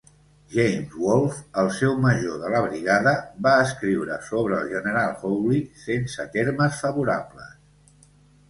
James Wolfe, el seu major de la brigada, va escriure sobre el General Hawly sense termes favorables.